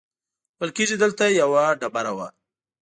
ویل کېږي دلته یوه ډبره وه.